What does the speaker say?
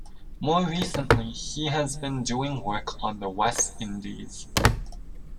Most recently he has been doing work on the West Indies.